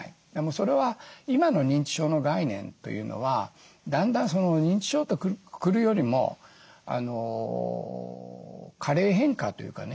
それは今の認知症の概念というのはだんだん認知症とくくるよりも加齢変化というかね